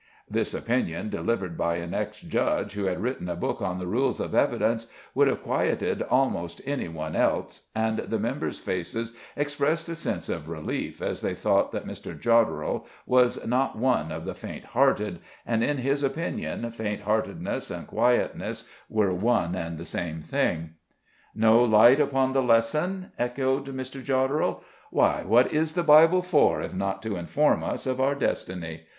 This opinion, delivered by an ex judge, who had written a book on the rules of evidence, would have quieted almost any one else, and the members' faces expressed a sense of relief as they thought that Mr. Jodderel was not one of the faint hearted, and in his opinion faint heartedness and quietness were one and the same thing. "No light upon the lesson?" echoed Mr. Jodderel. "Why, what is the Bible for, if not to inform us of our destiny?